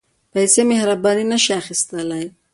پېسې مهرباني نه شي اخیستلای.